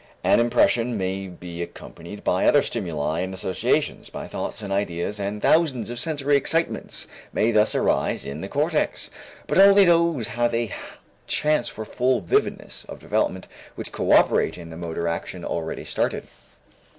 An impression may be accompanied by other stimuli and associations, by thoughts and ideas, and thousands of sensory excitements may thus arise in the cortex, but only those have a chance for full vividness of development which coöperate in the motor action already started.